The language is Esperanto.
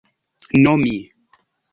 nomi